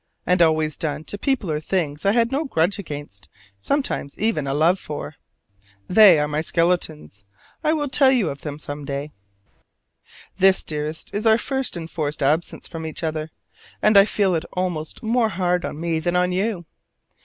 And always done to people or things I had no grudge against, sometimes even a love for. They are my skeletons: I will tell you of them some day. This, dearest, is our first enforced absence from each other; and I feel it almost more hard on me than on you.